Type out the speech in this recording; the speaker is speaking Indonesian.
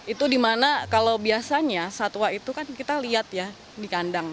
itu dimana kalau biasanya satwa itu kan kita lihat ya di kandang